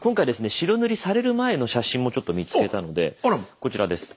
白塗りされる前の写真もちょっと見つけたのでこちらです。